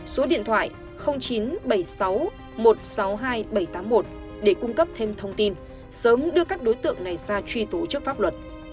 số điện thoại chín trăm bảy mươi sáu một trăm sáu mươi hai bảy trăm tám mươi một để cung cấp thêm thông tin sớm đưa các đối tượng này ra truy tố trước pháp luật